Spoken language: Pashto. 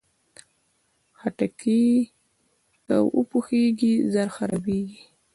خټکی که وپوخېږي، ژر خرابېږي.